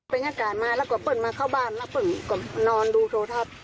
ประธานการณ์มาแล้วก็เพิ่งมาเข้าบ้านแล้วเพิ่งก็นอนดูโทรทัพ